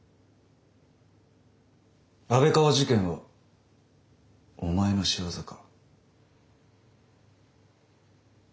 安倍川事件はお前の仕業か？